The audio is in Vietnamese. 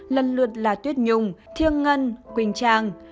lần lượt là tuyết nhung thiêng ngân quỳnh trang